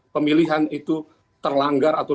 pemilihan itu terlanggar atau